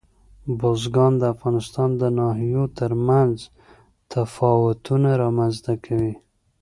بزګان د افغانستان د ناحیو ترمنځ تفاوتونه رامنځ ته کوي.